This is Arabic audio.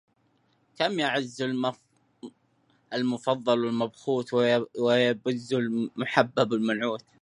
كم يعز المفضل المبخوت ويبز المحبب المنعوت